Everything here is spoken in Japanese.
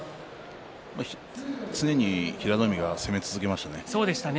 常に平戸海が攻め続けましたね。